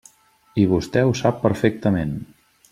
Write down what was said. I vostè ho sap perfectament.